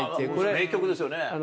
名曲ですよね。